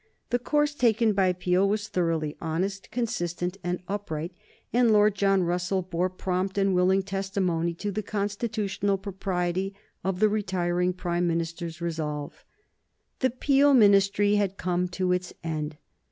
The course taken by Peel was thoroughly honest, consistent, and upright, and Lord John Russell bore prompt and willing testimony to the constitutional propriety of the retiring Prime Minister's resolve. The Peel Ministry had come to its end.